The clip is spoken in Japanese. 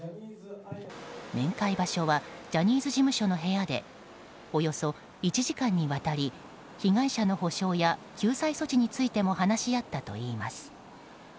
面会場所はジャニーズ事務所の部屋でおよそ１時間にわたり被害者の補償や救済措置についても話し合ったといいます。